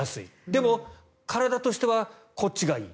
でも、体としてはこっちがいい。